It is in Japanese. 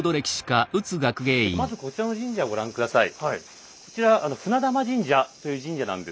まずこちらの神社をご覧下さい。